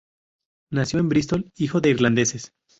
Nació en Bristol, hijo de irlandeses.